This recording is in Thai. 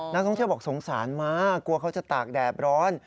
นักท่องเที่ยวบอกสงสารมากกลัวเขาจะตากแดดร้อน